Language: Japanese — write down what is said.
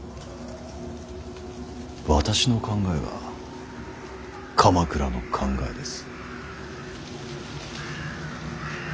私の考えが鎌倉の考えです。